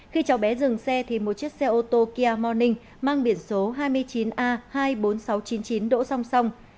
khi cháu bé dừng xe thì một chiếc xe ô tô kia morning mang biển số hai mươi chín a hai mươi bốn nghìn sáu trăm chín mươi chín đỗ song song